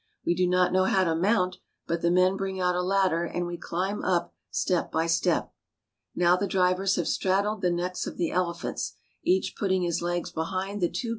We do not know how to mount, but the men bring out a ladder, and we climb up step by step. Now the drivers have straddled the necks of the elephants, each putting his legs behind the two great ■ H ^F^^ '^^'^^M^^^l H ^S^^ "^ ^•'m.